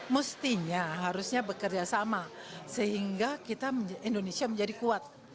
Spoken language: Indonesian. mestinya harusnya bekerjasama sehingga indonesia menjadi kuat